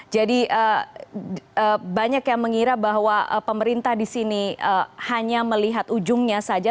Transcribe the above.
jadi banyak yang mengira bahwa pemerintah di sini hanya melihat ujungnya saja